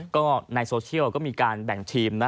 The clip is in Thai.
ก็ในโซเชียลก็มีการแบ่งทีมนะ